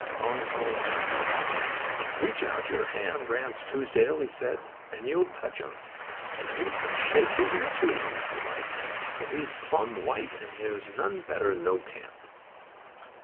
Long Collins grinned. "Reach out your hand, Ranse Truesdell," he said, "and you'll touch him. And you can shake his'n, too, if you like, for he's plumb white and there's none better in no camp."